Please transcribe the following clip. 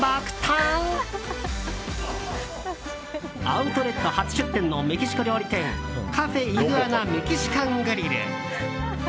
アウトレット初出店のメキシコ料理店カフェイグアナメキシカングリル。